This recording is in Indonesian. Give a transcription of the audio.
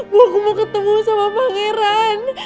bu aku mau ketemu sama pangeran